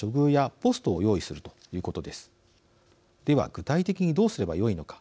具体的にどうすればよいのか。